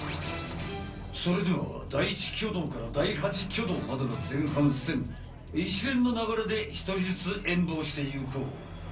それでは第１挙動から第８挙動までの前半戦一連の流れで一人ずつ演武をしていこう！